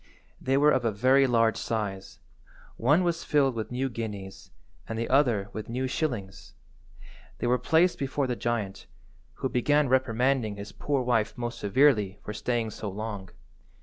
They were of a very large size. One was filled with new guineas, and the other with new shillings. They were placed before the giant, who began reprimanding his poor wife most severely for staying so long.